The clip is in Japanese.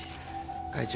会長。